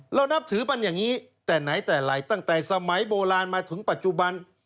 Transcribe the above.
นับถือมันอย่างนี้แต่ไหนแต่ไรตั้งแต่สมัยโบราณมาถึงปัจจุบัน